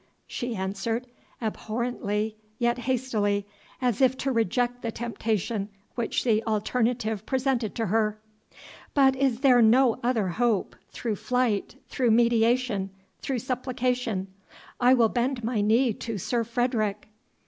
she answered, abhorrently yet hastily, as if to reject the temptation which the alternative presented to her. "But is there no other hope through flight through mediation through supplication? I will bend my knee to Sir Frederick!"